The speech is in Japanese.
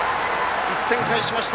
１点返しました。